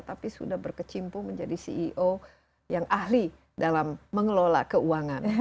tapi sudah berkecimpung menjadi ceo yang ahli dalam mengelola keuangan